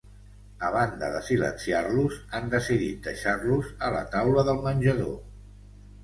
A banda de silenciar-los, han decidit deixar-los a la taula del menjador.